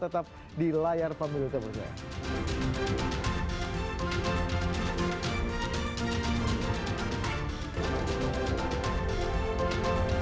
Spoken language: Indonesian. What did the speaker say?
tetap di layar pemerintah